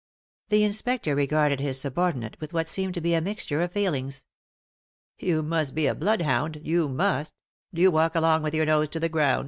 The Inspector regarded bis subordinate with what seemed to be a mixture of feelings. " You must be a bloodhound, you must Do you walk along with your nose to the ground ?